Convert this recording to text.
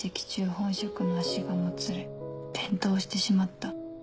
本職の足がもつれ転倒してしまった。